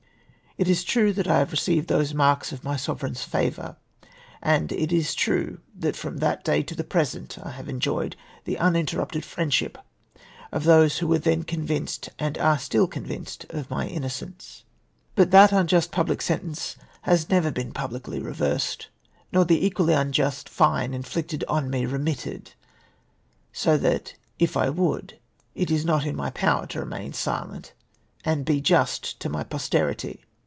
It is true that I have received those marks of my Sovereign's favour, and it is true that from that day to the present I have enjoyed the iminterrupted fiiendship of those ^vho were then convinced, and are still convinced of my innocence ; but tliat unjiiM public sentence lias never been 'publicly reversed, nor the ecpially unjust fine inflicted on me remitted ; so that if I would, it is not in my power to remain silent and be just to my posterity.